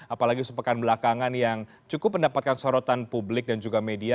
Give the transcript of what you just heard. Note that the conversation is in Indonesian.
apalagi sepekan belakangan yang cukup mendapatkan sorotan publik dan juga media